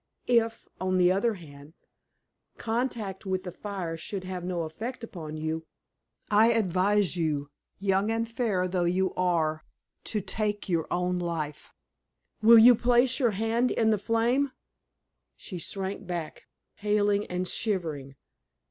If, on the other hand, contact with the fire should have no effect upon you, I advise you, young and fair though you are, to take your own life! Will you place your hand in the flame?" She shrank back, paling and shivering.